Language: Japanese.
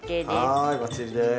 はいバッチリです！